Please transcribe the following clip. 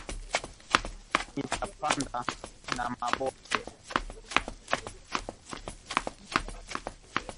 Mita panda na maboke mu mashamba yangu